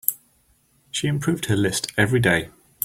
She improved her list every day.